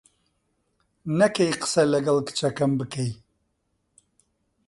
نەکەی قسە لەگەڵ کچەکەم بکەی.